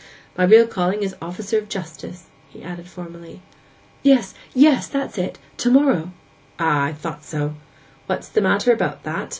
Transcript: My real calling is officer of justice,' he added formally. 'Yes, yes! That's it. To morrow!' 'Ah! I thought so. Well, what's the matter about that?